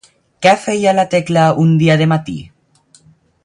Què feia la Tecla un dia de matí?